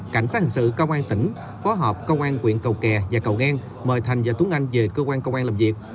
cảnh sát hình sự công an tỉnh phó hợp công an huyện cầu kè và cầu ngan mời thành và tốn anh về cơ quan công an làm việc